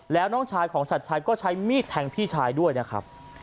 แล้วน้องชายของชัดชัยก็ใช้มีดแทงพี่ชายด้วยนะครับ